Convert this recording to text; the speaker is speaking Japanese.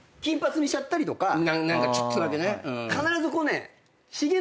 何かちょっとだけね。